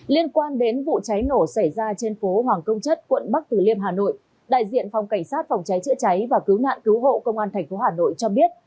liên quan đến vụ cháy nổ xảy ra trên phố hoàng công chất quận bắc từ liêm hà nội đại diện phòng cảnh sát phòng cháy chữa cháy và cứu nạn cứu hộ công an tp hà nội cho biết